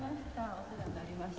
お世話になりまして。